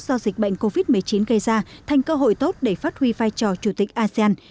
do dịch bệnh covid một mươi chín gây ra thành cơ hội tốt để phát huy vai trò chủ tịch asean